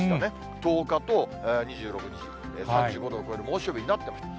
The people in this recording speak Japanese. １０日と２６日、３５度を超える猛暑日になってました。